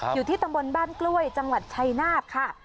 อยู่ที่ตำบลบ้านกล้วยจังหวัดชัยนาธค่ะ